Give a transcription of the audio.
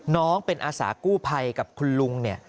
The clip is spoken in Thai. น้องเป็นอาสากู้ภัยกับคุณลุงเนี่ย